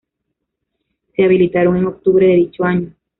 Se habilitaron en octubre de dicho año.